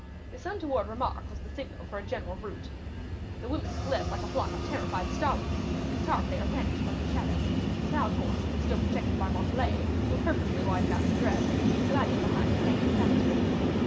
This untoward remark was the signal for a general rout; the women fled like a flock of terrified starlings; the guitar player vanished like a shadow; Malicorne, still protected by Montalais, who purposely widened out her dress, glided behind the hanging tapestry.